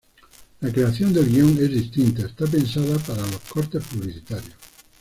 La creación del guion es distinta: está pensada para los cortes publicitarios.